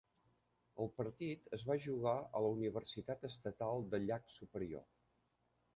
El partit es va jugar a la Universitat Estatal de Llac Superior.